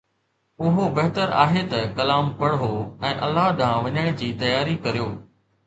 اھو بھتر آھي ته ڪلام پڙھو ۽ الله ڏانھن وڃڻ جي تياري ڪريو